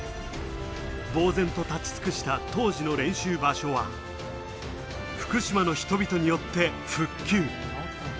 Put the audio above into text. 呆然と立ち尽くした当時の練習場所は、福島の人々によって復旧。